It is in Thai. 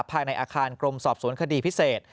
ภายในอาคารกรมสอบสวนคดีพิเศษ